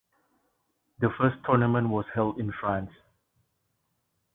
The first tournament was held in France.